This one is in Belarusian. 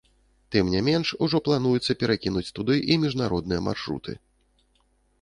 Тым не менш, ужо плануецца перакінуць туды і міжнародныя маршруты.